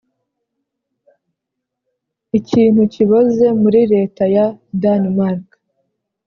ikintu kiboze muri leta ya danemark.